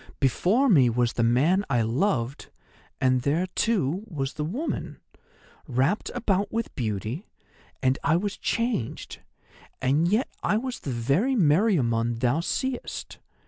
Before me was the man I loved, and there, too, was the woman, wrapped about with beauty, and I was changed, and yet I was the very Meriamun thou seest.